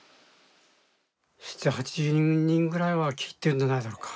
７０８０人ぐらいは聞いてるんじゃないだろうか。